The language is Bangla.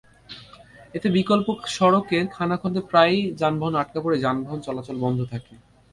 এতে বিকল্প সড়কের খানাখন্দে প্রায়ই যানবাহন আটকা পড়ে যানবাহন চলাচল বন্ধ থাকে।